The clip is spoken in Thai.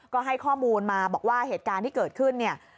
ก็ให้ข้อมูลมาบอกว่าเหตุการณ์ที่เกิดขึ้นเนี่ย